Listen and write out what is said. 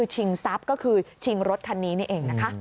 ชิงทรัพย์ก็คือชิงรถคันนี้นี่เองนะคะ